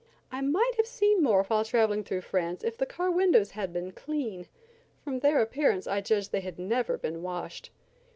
I might have seen more while traveling through France if the car windows had been clean. From their appearance I judged that they had never been washed.